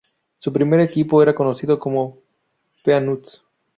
Su primer equipo era conocido como ""Peanuts"".